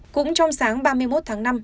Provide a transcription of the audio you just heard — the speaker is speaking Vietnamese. cũng trong sáng ba mươi một tháng năm